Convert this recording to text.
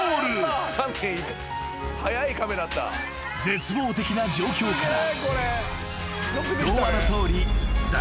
［絶望的な状況から］